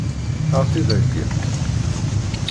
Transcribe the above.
Ad ɣ-tt-id-heggimt?